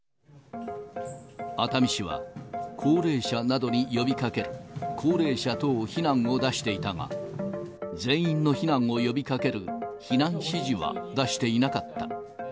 熱海市は高齢者などに呼びかける、高齢者等避難を出していたが、全員の避難を呼びかける避難指示は出していなかった。